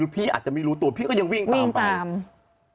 พี่อาจจะไม่รู้ตัวพี่ก็ยังวิ่งตาม